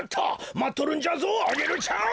まっとるんじゃぞアゲルちゃん。